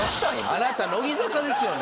あなた乃木坂ですよね？